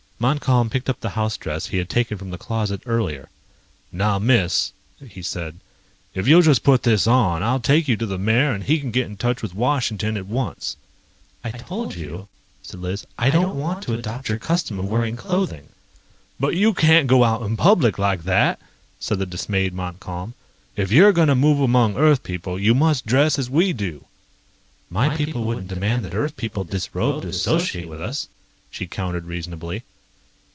Montcalm picked up the house dress he had taken from the closet earlier. "Now, Miss," he said, "if you'll just put this on, I'll take you to the mayor and he can get in touch with Washington at once." "I told you," said Liz, "I don't want to adopt your custom of wearing clothing." "But you can't go out in public like that!" said the dismayed Montcalm. "If you're going to move among Earth people, you must dress as we do." "My people wouldn't demand that Earth people disrobe to associate with us," she countered reasonably.